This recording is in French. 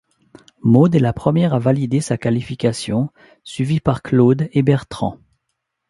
Maud est la première à valider sa qualification, suivie par Claude et Bertrand.